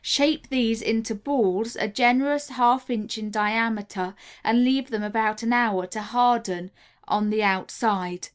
Shape these into balls a generous half inch in diameter and leave them about an hour to harden on the outside.